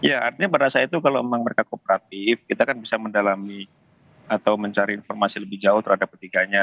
ya artinya pada saat itu kalau memang mereka kooperatif kita kan bisa mendalami atau mencari informasi lebih jauh terhadap ketiganya